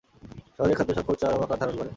শহরে খাদ্য-সংকট চরম আকার ধারণ করে।